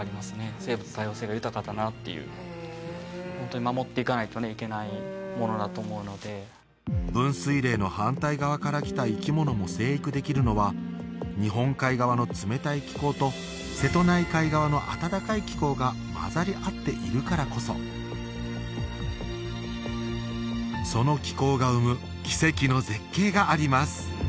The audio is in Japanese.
生物多様性が豊かだなっていう本当に守っていかないとねいけないものだと思うので分水嶺の反対側から来た生き物も成育できるのは日本海側の冷たい気候と瀬戸内海側の暖かい気候が混ざり合っているからこそその気候が生む奇跡の絶景があります